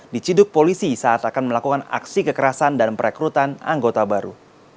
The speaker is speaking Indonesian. diciduk polisi saat akan melakukan aksi kekerasan dan perekrutan anggota baru